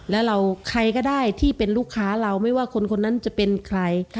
แล้วเราใครก็ได้ที่เป็นลูกค้าเราไม่ว่าคนคนนั้นจะเป็นใคร